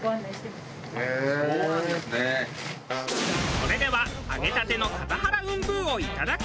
それでは揚げたてのカタハラウンブーをいただく。